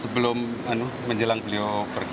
sebelum menjelang beliau pergi